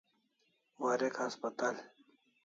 Warek haspatal